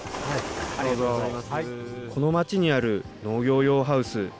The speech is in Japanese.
この町にある農業用ハウス。